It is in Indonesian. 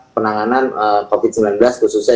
penanganan covid sembilan belas khususnya